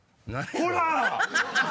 ほら！